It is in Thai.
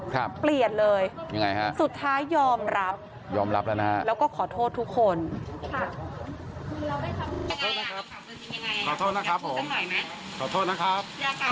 ครับเปลี่ยนเลยสุดท้ายยอมรับแล้วก็ขอโทษทุกคนครับ